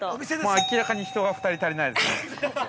◆明らかに「人」が２人足りないですね。